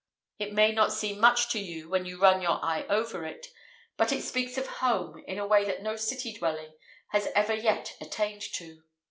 It may not seem much to you when you run your eye over it; but it speaks of home in a way that no city dwelling has ever yet attained to.